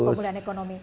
untuk pemulihan ekonomi